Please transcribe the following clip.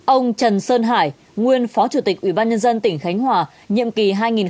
ông trần sơn hải nguyên phó chủ tịch ủy ban nhân dân tỉnh khánh hòa nhiệm kỳ hai nghìn một mươi một hai nghìn một mươi sáu